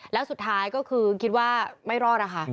แล้วสุดท้ายก็คือคิดว่าไม่รอดนะคะ